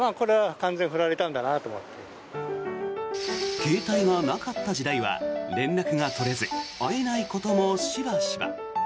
携帯がなかった時代は連絡が取れず会えないこともしばしば。